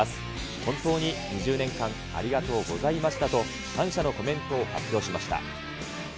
本当に２０年間、ありがとうございましたと、感謝のコメントを発表しました。